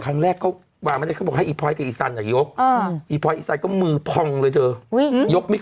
อันนี้มั้ยแล้วเกี่ยวอะไรกับ๒๐มา